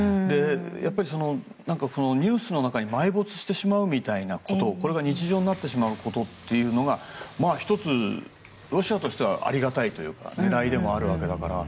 やっぱり、ニュースの中に埋没してしまうみたいなことこれが日常になってしまうことが１つ、ロシアとしてはありがたいというか狙いでもあるわけだから。